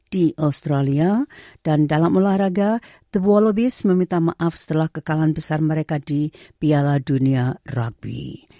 dan dalam olahraga the wallabies meminta maaf setelah kekalahan besar mereka di piala dunia rugby